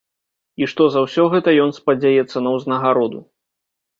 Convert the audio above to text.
І што за ўсё гэта ён спадзяецца на ўзнагароду.